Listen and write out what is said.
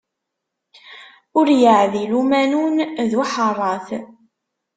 Ur yeɛdil umanun d uḥeṛṛat.